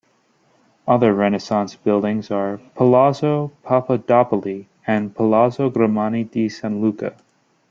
Other Renaissance buildings are Palazzo Papadopoli and Palazzo Grimani di San Luca.